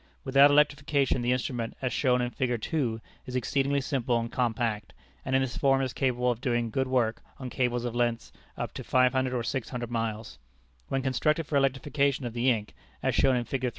Without electrification the instrument, as shown in Fig. 2, is exceedingly simple and compact, and in this form is capable of doing good work on cables of lengths up to 500 or 600 miles. When constructed for electrification of the ink, as shown in Fig.